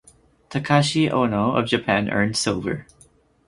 Takashi Ono of Japan earned silver.